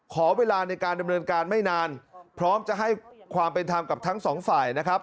ขอเวลาในการดำเนินการไม่นานพร้อมจะให้ความเป็นธรรมกับทั้งสองฝ่ายนะครับ